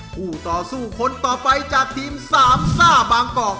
คู่ต่อสู้คนต่อไปจากทีมสามซ่าบางกอก